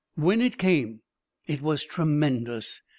When it came, it was tremendous.